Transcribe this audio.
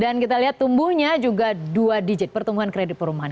kita lihat tumbuhnya juga dua digit pertumbuhan kredit perumahan